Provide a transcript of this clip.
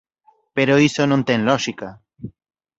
Pero iso non ten lóxica.